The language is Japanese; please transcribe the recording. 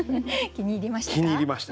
気に入りました。